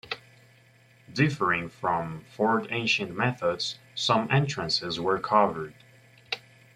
Differing from Fort Ancient methods, some entrances were covered.